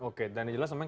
oke dan jelas semuanya